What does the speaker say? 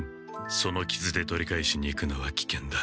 そのキズで取り返しに行くのはきけんだ。